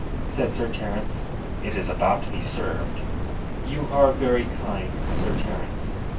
said Sir Terence. "It is about to be served." "You are very kind, Sir Terence."